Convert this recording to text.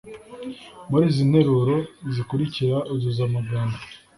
Muri izi nteruro zikurikira uzuza amagambo